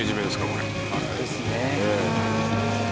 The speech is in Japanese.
これ。ですね。